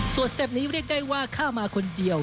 ส่วนสเต็ปนี้เรียกได้ว่าเข้ามาคนเดียว